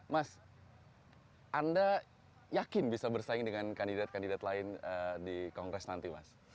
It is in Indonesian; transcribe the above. mas anda yakin bisa bersaing dengan kandidat kandidat lain di kongres nanti mas